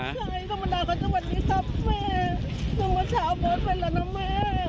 ใช่สมดาขาสวัสดีครับแม่